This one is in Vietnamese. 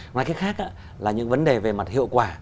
ngoài cái khác là những vấn đề về mặt hiệu quả